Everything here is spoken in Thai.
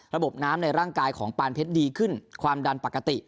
ระบบน้ำในร่างกายของปานเพชรดีขึ้นความดันปกติ